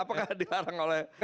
apakah dilarang oleh